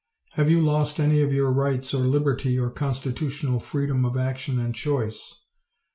Have you lost any of your rights or liberty or constitutional freedom of action and choice?